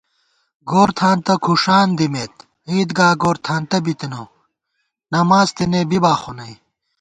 گورتھانتہ کھُݭان دِمېت عیدگا گورتھانتہ بِتنہ نماڅ تېنے بِبا خو نئ